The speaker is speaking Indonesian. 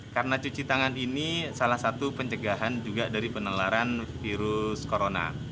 karena cuci tangan ini salah satu pencegahan juga dari penularan virus corona